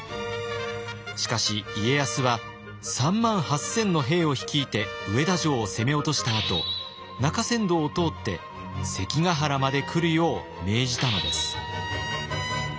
しかし家康は３万８，０００の兵を率いて上田城を攻め落としたあと中山道を通って関ヶ原まで来るよう命じたのです。